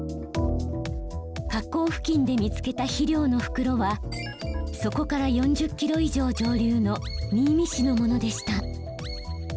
河口付近で見つけた肥料の袋はそこから４０キロ以上上流の新見市のものでした。